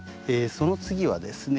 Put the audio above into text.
その次はですね